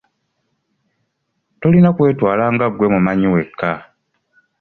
Tolina kwetwala nga ggwe mumanyi wekka.